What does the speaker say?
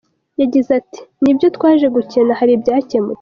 Yagize ati “Nibyo twaje gukina hari ibyakemutse.